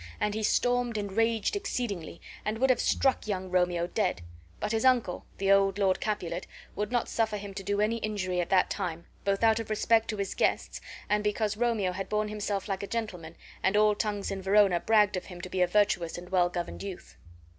And he stormed and raged exceedingly, and would have struck young Romeo dead. But his uncle, the old Lord Capulet, would not suffer him to do any injury at that time, both out of respect to his guests and because Romeo had borne himself like a gentleman and all tongues in Verona bragged of him to be a virtuous and well governed youth.